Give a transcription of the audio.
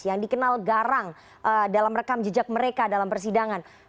yang dikenal garang dalam rekam jejak mereka dalam persidangan